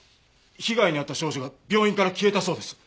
被害に遭った少女が病院から消えたそうです。